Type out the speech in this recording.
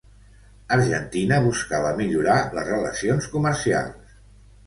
Argentina buscava millorar les relacions comercials.